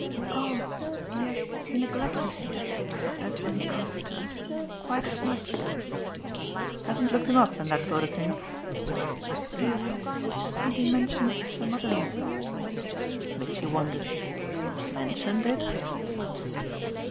"Oh he has 'neglected' him if that's any comfort to us quite as much." "Hasn't looked him up and that sort of thing?" "Yes and he mentioned some other matter." Mitchy wondered. "'Mentioned' it?"